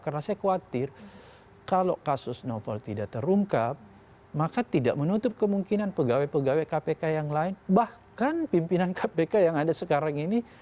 karena saya khawatir kalau kasus novel tidak terungkap maka tidak menutup kemungkinan pegawai pegawai kpk yang lain bahkan pimpinan kpk yang ada sekarang ini